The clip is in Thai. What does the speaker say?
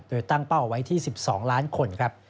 โดยตั้งเป้าเอาไว้ที่๑๒ล้านคนครับ